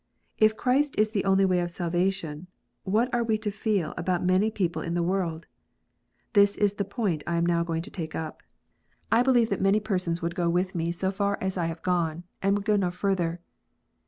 If Christ is the only way of salvation, what are we to feel about many people in the world ? This is the point I am now going to take up. I believe that many persons would go with me so far as I ONLY ONE WAY OF SALVATION. 35 have gone, and would go no further.